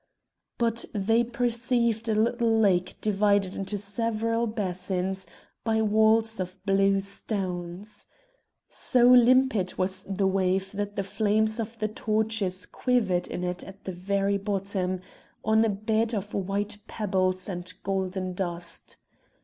But they perceived a little lake divided into several basins by walls of blue stones. So limpid was the wave that the flames of the torches quivered in it at the very bottom, on a bed of white pebbles and golden dust.